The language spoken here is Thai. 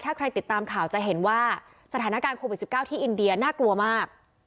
ถ้าใครติดตามข่าวจะเห็นว่าสถานการณ์โควิด๑๙ที่อินเดียน่ากลัวมาก